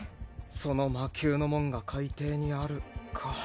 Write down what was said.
その魔宮の門が海底にあるか。